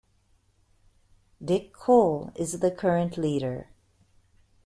Dick Cole is the current leader.